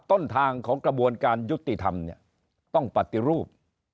ต้นทางของกระบวนการยุติธรรมเนี่ยต้องปฏิรูป